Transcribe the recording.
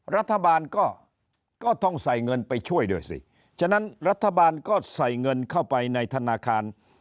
รัฐบาลก็ก็ต้องใส่เงินไปช่วยด้วยสิฉะนั้นรัฐบาลก็ใส่เงินเข้าไปในธนาคาร